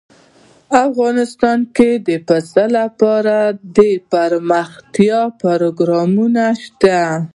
افغانستان کې د پسه لپاره دپرمختیا پروګرامونه شته.